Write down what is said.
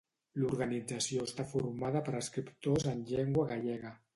L'organització està formada per escriptors en llengua gallega.